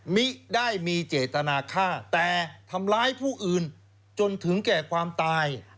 มิได้มีเจตนาฆ่าแต่ทำร้ายผู้อื่นจนถึงแก่ความตาย